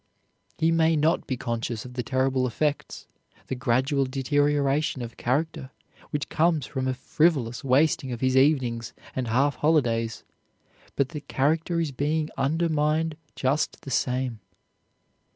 He may not be conscious of the terrible effects, the gradual deterioration of character which comes from a frivolous wasting of his evenings and half holidays, but the character is being undermined just the same.